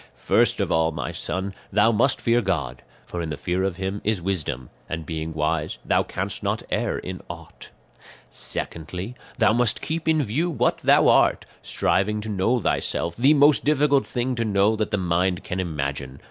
"First of all, my son, thou must fear God, for in the fear of him is wisdom, and being wise thou canst not err in aught. "Secondly, thou must keep in view what thou art, striving to know thyself, the most difficult thing to know that the mind can imagine.